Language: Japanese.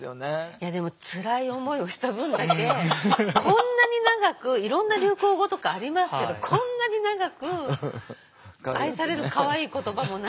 いやでもつらい思いをした分だけこんなに長くいろんな流行語とかありますけどこんなに長く愛されるかわいい言葉もないし。